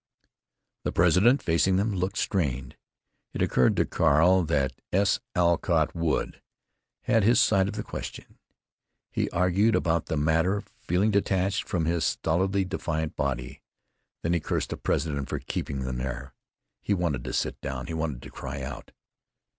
The president, facing them, looked strained. It occurred to Carl that S. Alcott Wood had his side of the question. He argued about the matter, feeling detached from his stolidly defiant body. Then he cursed the president for keeping them there. He wanted to sit down. He wanted to cry out....